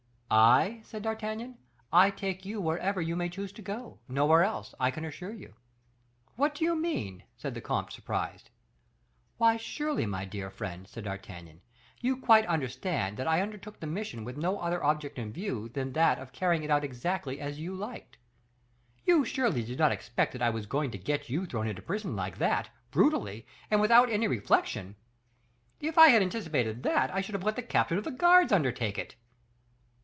"I?" said D'Artagnan, "I take you wherever you may choose to go; nowhere else, I can assure you." "What do you mean?" said the comte, surprised. "Why, surely, my dear friend," said D'Artagnan, "you quite understand that I undertook the mission with no other object in view than that of carrying it out exactly as you liked. You surely did not expect that I was going to get you thrown into prison like that, brutally, and without any reflection. If I had anticipated that, I should have let the captain of the guards undertake it."